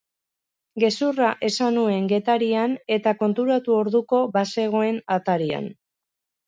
Gezurra esan nuen Getarian eta konturatu orduko bazegoen atarian.